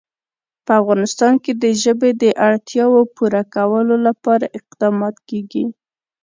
په افغانستان کې د ژبې د اړتیاوو پوره کولو لپاره اقدامات کېږي.